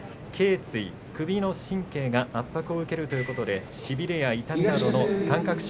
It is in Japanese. けい椎、首の神経が圧迫を受けるということでしびれや痛みなどの感覚